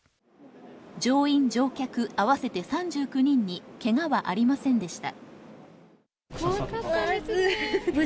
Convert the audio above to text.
乗員・乗客合わせて３９人にけがはありませんでした。